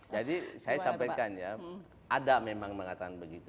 jadi saya sampaikan ya ada memang mengatakan begitu